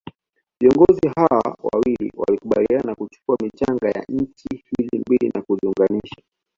viongozi hawa wawili walikubaliana na kuchukua michanga ya nchi hizi mbili na kuziunganisha